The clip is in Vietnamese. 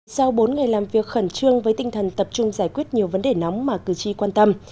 sau bốn ngày làm việc khẩn trương với tinh thần tập trung giải quyết nhiều vấn đề nóng mà cử tri quan tâm